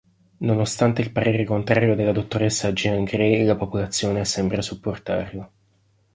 Nonostante il parere contrario della dottoressa Jean Grey, la popolazione sembra supportarlo.